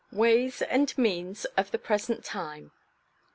WAYS AND MEANS OF THE PRESENT TIME.